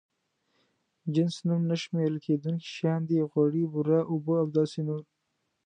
جنس نوم نه شمېرل کېدونکي شيان دي: غوړي، بوره، اوبه او داسې نور.